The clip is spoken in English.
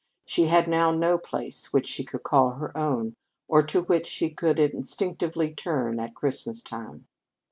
She had now no place which she could call her own, or to which she would instinctively turn at Christmas time.